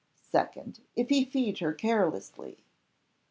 2nd. If he feed her carelessly.